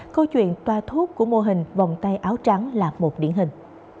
câu chuyện toa thuốc của mô hình vòng tay áo trắng là một điển hình